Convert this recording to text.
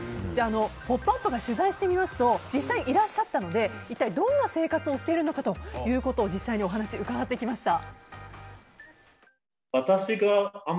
「ポップＵＰ！」が取材してみますと実際いらっしゃったので一体どんな生活をしているか実際にお話を伺ってきました。